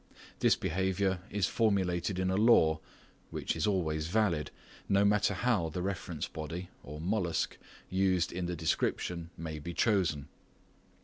This behaviour is formulated in a law, which is always valid, no matter how the reference body (mollusc) used in the description may be chosen.